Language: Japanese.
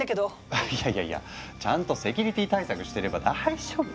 あいやいやいやちゃんとセキュリティ対策してれば大丈夫。